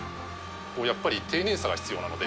やっぱり丁寧さが必要なので。